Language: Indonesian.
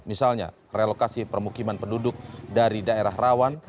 misalnya relokasi permukiman penduduk dari daerah rawan